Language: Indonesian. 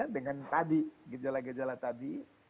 dengan tadi gejala gejala tadi